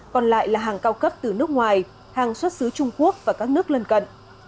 còn lại là hàng cao cấp từ nước ngoài hàng xuất xứ trung quốc và các nước lân cận